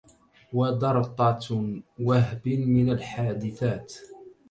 وضرطة وهب من الحادثات